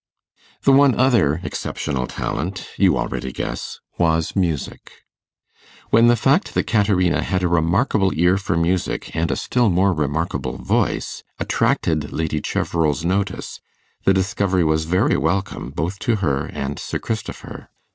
The one other exceptional talent, you already guess, was music. When the fact that Caterina had a remarkable ear for music, and a still more remarkable voice, attracted Lady Cheverel's notice, the discovery was very welcome both to her and Sir Christopher.